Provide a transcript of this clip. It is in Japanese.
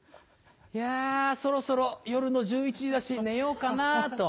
いやそろそろ夜の１１時だし寝ようかなと。